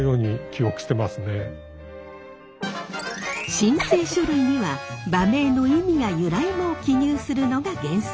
申請書類には馬名の意味や由来も記入するのが原則。